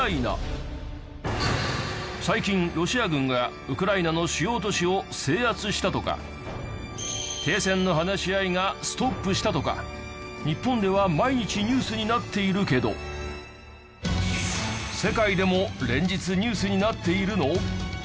最近ロシア軍がウクライナの主要都市を制圧したとか停戦の話し合いがストップしたとか日本では毎日ニュースになっているけど世界でも連日ニュースになっているの？